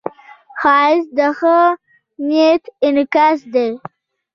ښایست د ښه نیت انعکاس دی